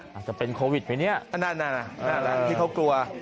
สำหรับเป็นโควิดไหมเนี่ยอันนั้นอันนั้นคือเขากลัว